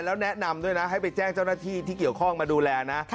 แล้วแนะนำด้วยนะให้ไปแจ้งเจ้าหน้าที่ที่เกี่ยวข้องมาดูแลนะ